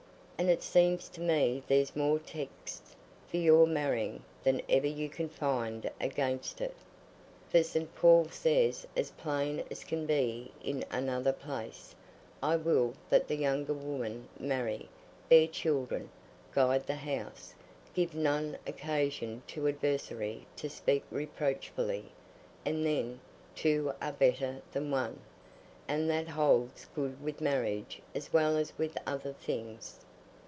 And it seems to me there's more texts for your marrying than ever you can find against it. For St. Paul says as plain as can be in another place, 'I will that the younger women marry, bear children, guide the house, give none occasion to the adversary to speak reproachfully'; and then 'two are better than one'; and that holds good with marriage as well as with other things.